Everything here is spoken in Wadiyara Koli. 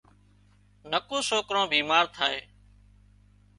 نڪو سوڪران بيمار ٿائي